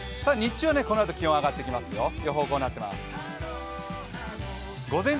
日中はこのあと、気温が上がってきますよ。